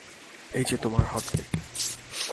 এই যে তোমার হটকেক।